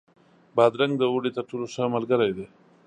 بادرنګ د اوړي تر ټولو ښه ملګری دی.